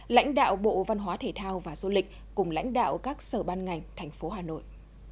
lãnh đạo bộ văn hóa thể thao và du lịch cùng lãnh đạo các sở ban ngành thành phố hà nội